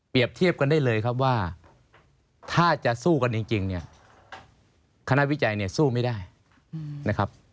เปรียบเทียบกันได้เลยว่าถ้าจะสู้กันจริงคณะวิจัยสู้ไม่ได้